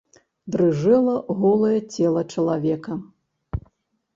Дрыжэла голае цела чалавека.